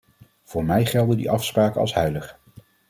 Voor mij gelden die afspraken als heilig.